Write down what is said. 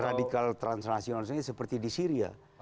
radikal transnasional seperti di syria